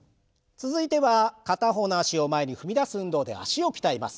続いては片方の脚を前に踏み出す運動で脚を鍛えます。